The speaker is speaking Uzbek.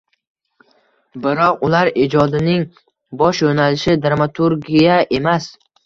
Biroq ular ijodining bosh yoʻnalishi dramaturgiya emas